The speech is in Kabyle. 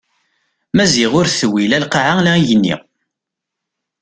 Maziɣ ur t-tewwi la lqaɛa la igenni.